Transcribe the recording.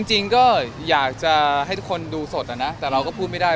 จริงก็อยากจะให้ทุกคนดูสดนะนะแต่เราก็พูดไม่ได้